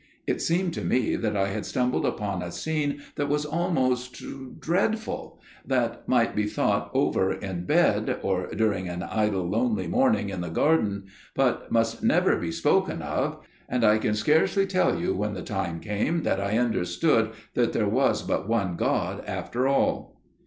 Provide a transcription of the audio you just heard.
It seemed to me that I had stumbled upon a scene that was almost dreadful, that might be thought over in bed, or during an idle lonely morning in the garden, but must never be spoken of, and I can scarcely tell you when the time came that I understood that there was but one God after all."